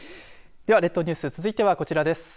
では列島ニュース続いてはこちらです。